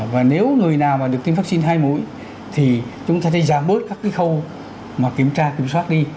và nếu người nào mà được tiêm vaccine hai mũi thì chúng ta thấy giảm bớt các cái khâu mà kiểm tra kiểm soát đi